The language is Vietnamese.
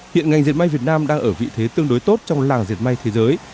hiện ngành dẹp may việt nam đang ở vị thế tương đối tốt trong làng dẹp may thế giới